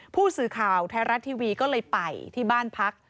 ผู้สื่อข่าวไทยรัฐทีวีก็เลยไปที่บ้านพัก